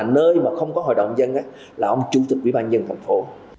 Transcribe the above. nơi mà không có hội đồng nhân là ông chủ tịch vị ban dân thành phố